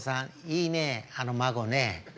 いいねあの「孫」ね。